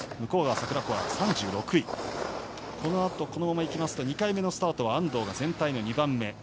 このあとこのままいきますと２回目のスタートは安藤は全体の２番目。